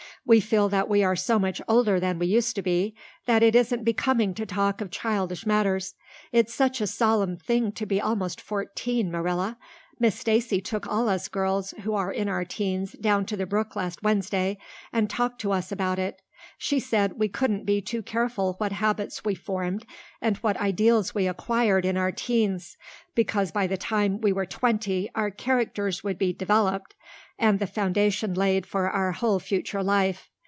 We feel that we are so much older than we used to be that it isn't becoming to talk of childish matters. It's such a solemn thing to be almost fourteen, Marilla. Miss Stacy took all us girls who are in our teens down to the brook last Wednesday, and talked to us about it. She said we couldn't be too careful what habits we formed and what ideals we acquired in our teens, because by the time we were twenty our characters would be developed and the foundation laid for our whole future life.